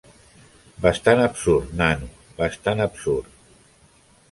Bastant absurd, nano, bastant absurd.